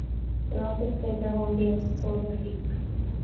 The Rockets played their home games at Soldier Field.